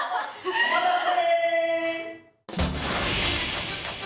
お待たせ。